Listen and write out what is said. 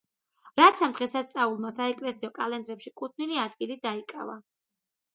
რაც ამ დღესასწაულმა საეკლესიო კალენდრებში კუთვნილი ადგილი დაიკავა.